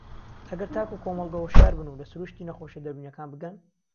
ئەگەر تاک و کۆمەڵگە هۆشیار بن و لە سرووشتی نەخۆشییە دەروونییەکان بگەن